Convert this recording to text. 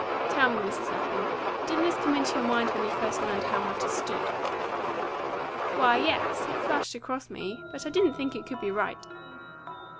Tell me, Mrs. Lapham, didn't this come into your mind when you first learned how matters stood?" "Why, yes, it flashed across me. But I didn't think it could be right."